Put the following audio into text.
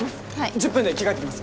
１０分で着替えてきます。